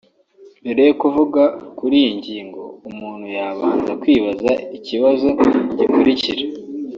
Mbere yo kuvuga kuri iyi ngingo umuntu yabanza kwibaza ikibazo gikurikira